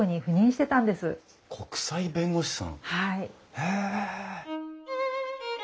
へえ！